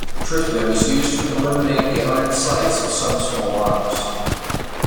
Tritium is used to illuminate the iron sights of some small arms.